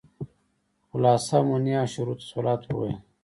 خلاصه مونيه او شروط الصلاة وويل.